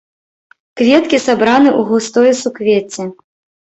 Кветкі сабраны ў густое суквецце.